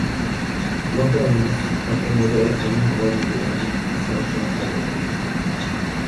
Lampernisse a pour modèle un ivrogne de la rue Saint-Jean à Gand.